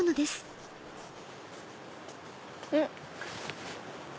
うん？